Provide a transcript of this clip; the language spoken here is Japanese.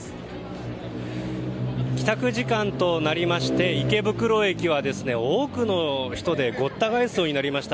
帰宅時間となりまして池袋駅は多くの人でごった返すようになりました。